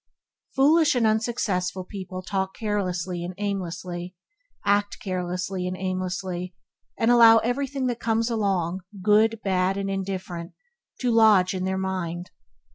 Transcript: Foolish and unsuccessful people talk carelessly and aimlessly, act carelessly and aimlessly, and allow everything that comes along good, bad, and different to lodge in their mind.